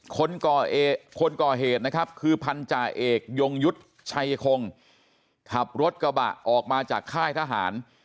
คนก่อเหตุคนก่อเหตุนะครับคือพันธาเอกยงยุทธ์ชัยคงขับรถกระบะออกมาจากค่ายทหาร